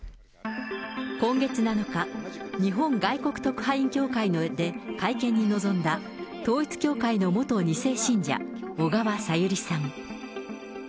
今月７日、日本外国特派員協会で会見に臨んだ統一教会の元２世信者、小川さゆりさん。